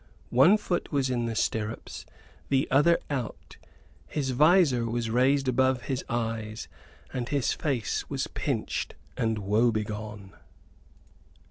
One foot was in the stirrups, the other out; his visor was raised above his eyes, and his face was pinched and woebegone.